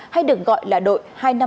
hay được gọi là đội hai trăm năm mươi